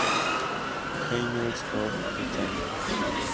Annals of Botany.